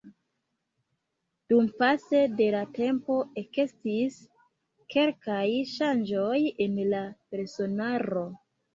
Dumpase de la tempo ekestis kelkaj ŝanĝoj en la personaro.